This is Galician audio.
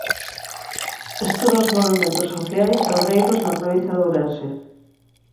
Estuda os movementos sociais e obreiros na provincia de Ourense.